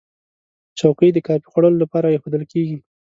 چوکۍ د کافي خوړلو لپاره ایښودل کېږي.